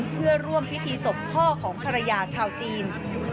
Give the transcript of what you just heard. เพื่อร่วมพิธีศพพ่อของภรรยาชาวจีน